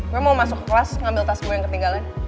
gue mau masuk kelas ngambil tas gue yang ketinggalan